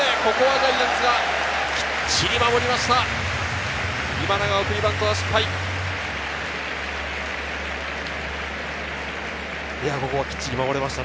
ジャイアンツはきっちり守りました。